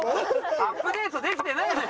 アップデートできてないのよ。